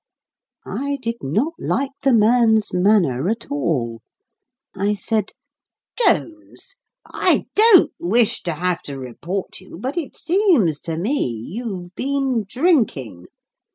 I did not like the man's manner at all. I said, "Jones! I don't wish to have to report you, but it seems to me you've been drinking.